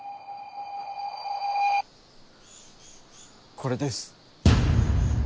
これです。